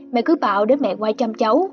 mẹ cứ bảo đến mẹ ngoài chăm cháu